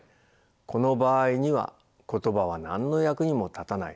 この場合には言葉は何の役にも立たない。